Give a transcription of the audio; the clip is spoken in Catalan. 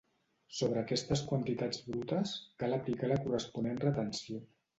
Sobre aquestes quantitats brutes cal aplicar la corresponent retenció.